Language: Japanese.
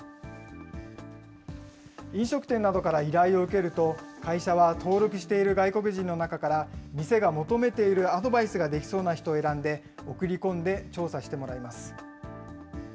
飲食店などから依頼を受けると、会社は登録している外国人の中から、店が求めているアドバイスができそうな人を選んで、送り込んで調査してもらいます。